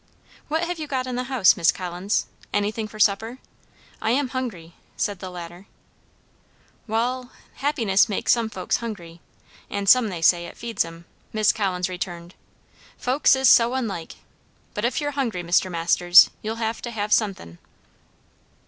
"What have you got in the house, Miss Collins? anything for supper? I am hungry," said the latter. "Wall happiness makes some folks hungry, and some, they say, it feeds 'em," Miss Collins returned. "Folks is so unlike! But if you're hungry, Mr. Masters, you'll have to have sun'thin."